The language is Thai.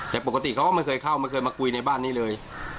แต่ปกติเขาก็ไม่เคยเข้าไม่เคยมาคุยในบ้านนี้เลย